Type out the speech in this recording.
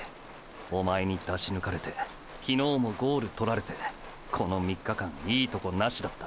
おまえにだしぬかれて昨日もゴール獲られてこの３日間いいとこなしだった。